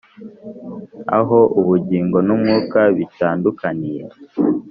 Aho ubugingo n umwuka bitandukaniye